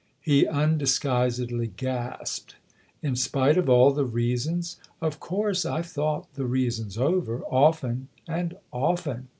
He undisguisedly gasped. " In spite of all the reasons ?"" Of course I've thought the reasons over often and often.